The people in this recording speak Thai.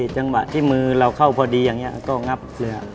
จังหวะที่มือเราเข้าพอดีอย่างนี้ก็งับเรือ